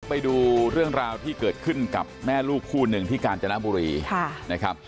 ไปดูเรื่องราวที่เกิดขึ้นกับแม่ลูกคู่หนึ่งที่กาญจนบุรีนะครับ